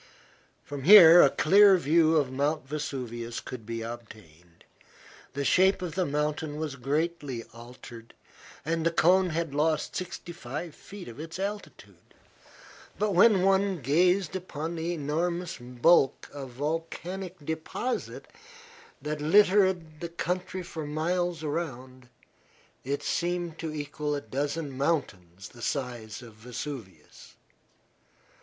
From here a clear view of Mt. Vesuvius could be obtained. The shape of the mountain had greatly altered and the cone had lost sixty five feet of its altitude. But when one gazed upon the enormous bulk of volcanic deposit that littered the country for miles around, it seemed to equal a dozen mountains the size of Vesuvius.